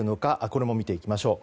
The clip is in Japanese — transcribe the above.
これも見ていきましょう。